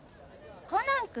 コナン君？